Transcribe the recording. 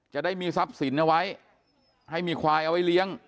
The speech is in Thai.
จะได้มีทรัพย์สินเอาไว้ให้มีควายเอาไว้เลี้ยง